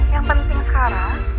yang penting sekarang